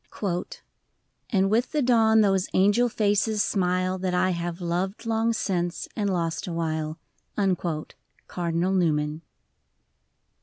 ] And with the dawn those angel faces smile That I have loved long since, and lost awhile. Cardinal Newman.